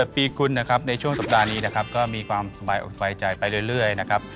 พอคุย๓คนปั๊บค่อยมาต้นใจเออเลือก